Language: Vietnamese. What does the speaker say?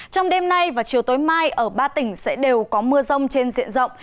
trong đêm nay và chiều tối mai ở ba tỉnh sẽ đều có mưa rông trên diện rộng